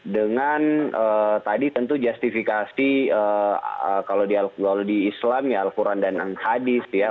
dengan tadi tentu justifikasi kalau di islam ya al quran dan al khadis ya